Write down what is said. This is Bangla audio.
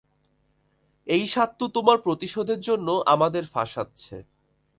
এই সাত্তু তোমার প্রতিশোধের জন্য, আমাদের ফাসাচ্ছে।